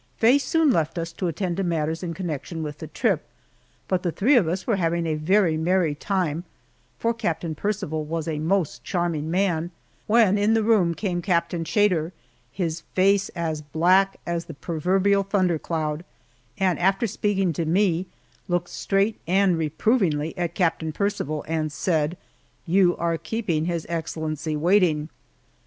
Faye soon left us to attend to matters in connection with the trip, but the three of us were having a very merry time for Captain Percival was a most charming man when in the room came Captain Chater, his face as black as the proverbial thundercloud, and after speaking to me, looked straight and reprovingly at Captain Percival and said, "You are keeping his excellency waiting!"